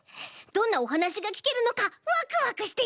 どんなおはなしがきけるのかワクワクしています。